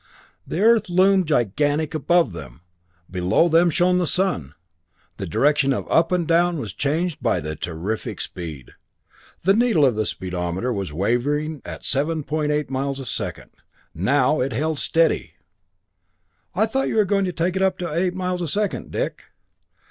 The Earth loomed gigantic above them! Below them shone the sun! The direction of up and down was changed by the terrific speed! The needle of the speedometer was wavering at 7.8 miles a second. Now it held steady! "I thought you were going to take it up to eight miles a second, Dick?"